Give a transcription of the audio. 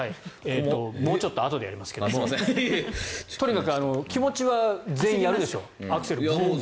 もうちょっとあとでやりますけどもとにかく、気持ちは全員やるでしょう。